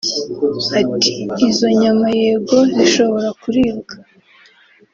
Ati "Izo nyama yego zishobora kuribwa